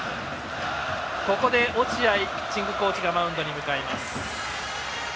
ここで、落合ピッチングコーチがマウンドに向かいます。